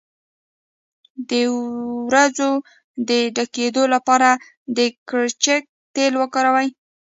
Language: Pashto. د وروځو د ډکیدو لپاره د کرچک تېل وکاروئ